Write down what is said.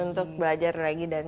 untuk belajar lagi